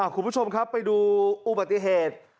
คุณผู้ชมครับไปดูอุบัติเหตุ